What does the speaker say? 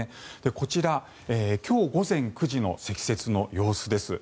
こちら今日午前９時の積雪の様子です。